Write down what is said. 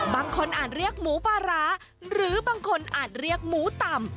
บางคนอาจเรียกหมูปลาร้าหรือบางคนอาจเรียกหมูต่ำ